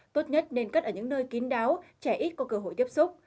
tốt nhất nên cất ở những nơi kín đáo trẻ ít có cơ hội tiếp xúc